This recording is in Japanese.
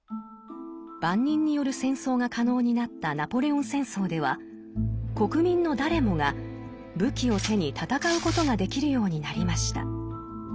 万人による戦争が可能になったナポレオン戦争では国民の誰もが武器を手に戦うことができるようになりました。